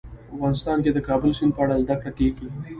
افغانستان کې د کابل سیند په اړه زده کړه کېږي.